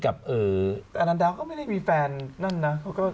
แต่อาลาร์ดาวมันก็ไม่มีแฟนนั่นน่ะ